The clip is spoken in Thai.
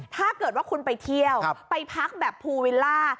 ถ้าเกิดว่าคุณไปเที่ยวไปพักแบบภูวิลล่า